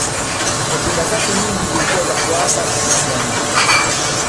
hotuba zake nyingi zilikuwa za kuasa na kujenga nchi